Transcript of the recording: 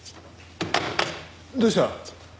どうした？